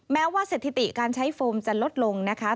แม้ว่าสถิติการใช้โฟมจะลดลงนะคะ